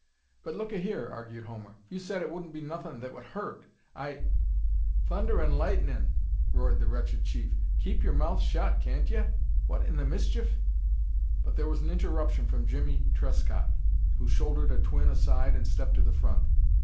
"But look a here," argued Homer, "you said it wouldn't be nothin' that would hurt. I " "Thunder an' lightnin'!" roared the wretched chief. "Keep your mouth shut, can't ye? What in the mischief " But there was an interruption from Jimmie Trescott, who shouldered a twin aside and stepped to the front.